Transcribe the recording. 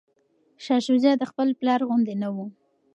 شاه شجاع د خپل پلار غوندې نه و.